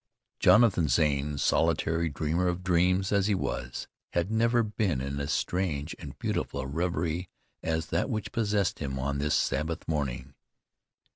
Jonathan Zane, solitary dreamer of dreams as he was, had never been in as strange and beautiful a reverie as that which possessed him on this Sabbath morning.